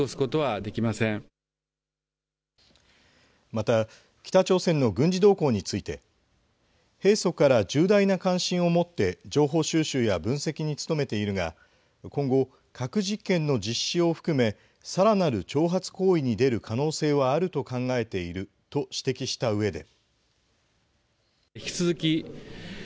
また、北朝鮮の軍事動向について平素から重大な関心を持って情報収集や分析に努めているが今後、核実験の実施を含めさらなる挑発行為に出る可能性はあると考えていると指摘した上で。